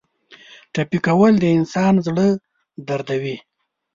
ټپي کول د انسان زړه دردوي.